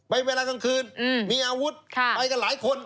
เวลากลางคืนมีอาวุธไปกันหลายคน